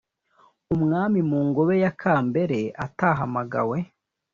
umwami mu ngombe ya kambere atahamagawe,